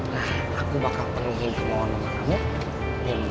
nah aku bakal penuhin semua warung mama kamu